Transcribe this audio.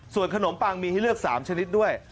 ส่วนขนมปังมีให้เลือก๓ชนิดด้วย